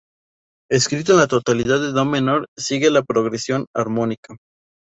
Escrito en la tonalidad de "Do menor", sigue la progresión armónica.